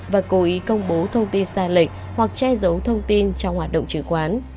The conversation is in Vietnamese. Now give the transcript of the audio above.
và cố ý công bố thông tin sai lệch hoặc che giấu thông tin trong hoạt động chứng khoán